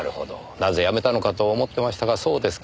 なぜ辞めたのかと思ってましたがそうですか。